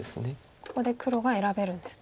ここで黒が選べるんですね。